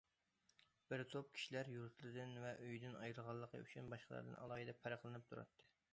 بۇ بىر توپ كىشىلەر يۇرتىدىن ۋە ئۆيىدىن ئايرىلغانلىقى ئۈچۈن باشقىلاردىن ئالاھىدە پەرقلىنىپ تۇراتتى.